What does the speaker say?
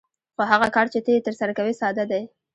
خو هغه کار چې ته یې ترسره کوې ساده دی